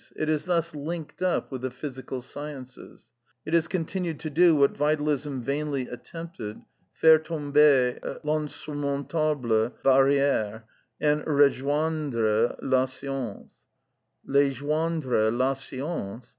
It is thus linked up with the physical sciences. It has continued to do what Vitalism vainly attempted, " f aire tomber I'insurmontable barriere " and " rejoindre la science." " Bejoindre la science